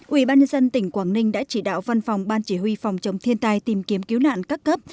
ubnd tỉnh quảng ninh đã chỉ đạo văn phòng ban chỉ huy phòng chống thiên tai tìm kiếm cứu nạn các cấp